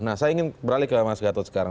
nah saya ingin beralih ke mas gatot sekarang